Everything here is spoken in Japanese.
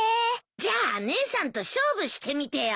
じゃあ姉さんと勝負してみてよ。